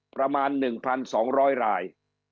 ประมาณ๑๒๐๐ราย